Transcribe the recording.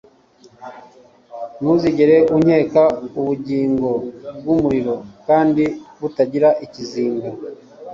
ntuzigere ukeka ubugingo bwumuriro kandi butagira ikizinga